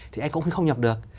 thì anh cũng không nhập được